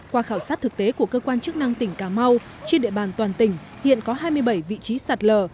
qua khảo sát thực tế của cơ quan chức năng tỉnh cà mau trên địa bàn toàn tỉnh hiện có hai mươi bảy vị trí sạt lở